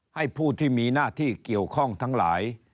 ให้ผู้ที่มีหน้าที่เกี่ยวข้องทั้งหลาย